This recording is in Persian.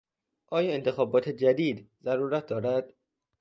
آیا انتخابات جدید ضرورت دارد؟